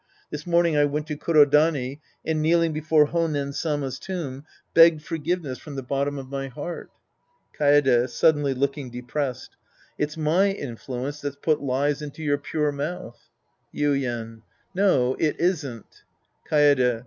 This morning I went to Kuro dani and, kneeling before Honen Sama's tomb, begged forgiveness from the bottom of my heart. Kaede {suddenly looking depressed). It's my in fluence that's put lies into your pure mouth. Yuien. No. It isn't. Kaede.